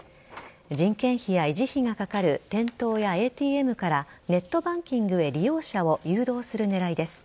人件費や維持費がかかる店頭やＡＴＭからネットバンキングへ利用者を誘導する狙いです。